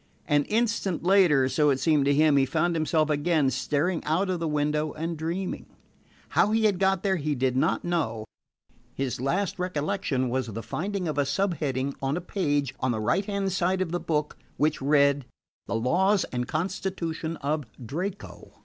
An instant later, so it seemed to him, he found himself again staring out of the window and dreaming. How he had got there he did not know. His last recollection was the finding of a subheading on a page on the right hand side of the book which read: "The Laws and Constitution of Draco."